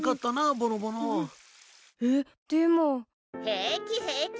平気平気。